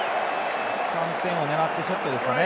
３点を狙ってのショットですかね。